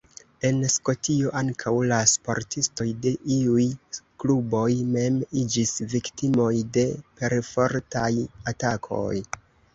En Skotio ankaŭ la sportistoj de iuj kluboj mem iĝis viktimoj de perfortaj atakoj.